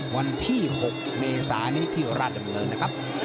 วันที่๖เมษานี้ที่ราชดำเนินนะครับ